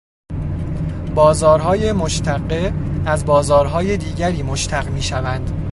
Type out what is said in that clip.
بازارهای مشتقه، از بازارهای دیگری مشتق میشوند